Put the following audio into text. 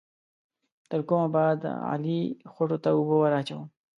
تر کومه به د علي خوټو ته اوبه ور اچوم؟